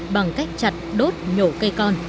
bằng cách chặt đốt nhổ cây con